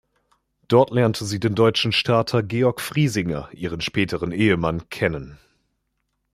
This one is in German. Dort lernte sie den deutschen Starter Georg Friesinger, ihren späteren Ehemann, kennen.